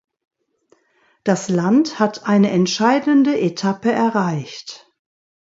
Das Land hat eine entscheidende Etappe erreicht.